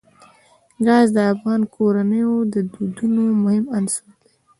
ګاز د افغان کورنیو د دودونو مهم عنصر دی.